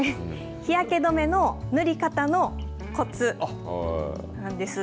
日焼けどめの塗り方のコツなんです。